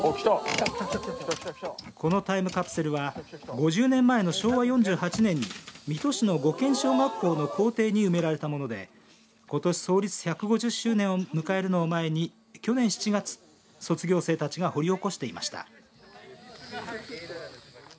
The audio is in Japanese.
このタイムカプセルは５０年前の昭和４８年に水戸市の五軒小学校の校庭に埋められたものでことし、創立１５０周年を迎えるのを前に去年７月卒業生たちが掘り起こしていました。